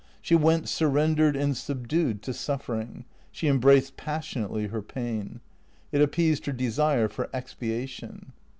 She went surrendered and subdued to suffering; she embraced passionately her pain. It appeased her desire for expiation.